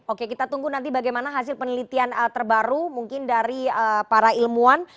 oke kita tunggu nanti bagaimana hasil penelitian terbaru mungkin dari para ilmuwan